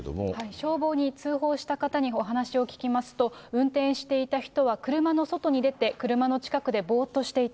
消防に通報した方にお話を聞きますと、運転していた人は車の外に出て、車の近くでぼーっとしていた。